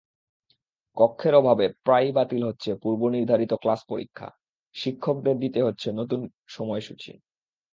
কক্ষের অভাবে প্রায়ই বাতিল হচ্ছে পূর্বনির্ধারিত ক্লাস-পরীক্ষা, শিক্ষকদের দিতে হচ্ছে নতুন সময়সূচি।